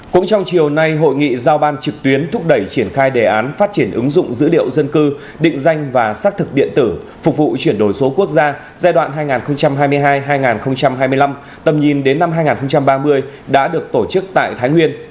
cũng trong chiều nay hội nghị giao ban trực tuyến thúc đẩy triển khai đề án phát triển ứng dụng dữ liệu dân cư định danh và xác thực điện tử phục vụ chuyển đổi số quốc gia giai đoạn hai nghìn hai mươi hai hai nghìn hai mươi năm tầm nhìn đến năm hai nghìn ba mươi đã được tổ chức tại thái nguyên